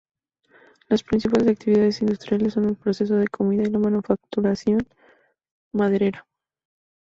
Las principales actividades industriales son el procesado de comida y la manufacturación maderera.